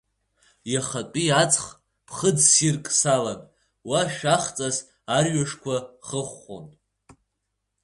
Иахатәи аҵых ԥхыӡссирк салан, уа шәахҵас арҩашқәа хыхәхәон.